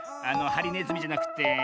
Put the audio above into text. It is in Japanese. あのハリネズミじゃなくて。